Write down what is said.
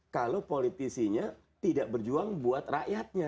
kalau politisinya tidak berjuang buat rakyatnya